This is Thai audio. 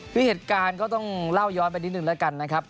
คือเหตุการณ์ก็ต้องเล่าย้อนไปนิดนึงแล้วกันนะครับ